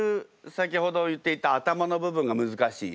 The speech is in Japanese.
先ほど言っていた頭の部分が難しい。